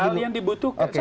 itu modal yang dibutuhkan